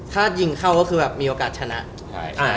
ถ้าจริงเข้าก็คือแบบมีโอกาสชนะ